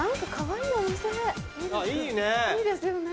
いいですよね。